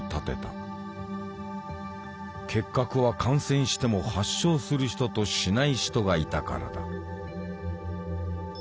結核は感染しても発症する人としない人がいたからだ。